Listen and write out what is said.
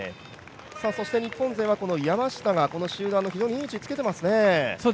そして日本勢は山下が集団の非常にいい位置につけていますね。